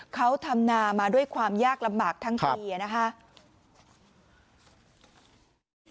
เขาทำนามาด้วยความยากลำบากทั้งปีนะครับ